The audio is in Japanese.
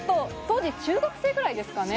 当時中学生くらいですかね？